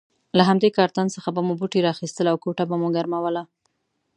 له همدې کارتن څخه به مو بوټي را اخیستل او کوټه به مو ګرموله.